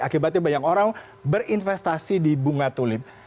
akibatnya banyak orang berinvestasi di bunga tulip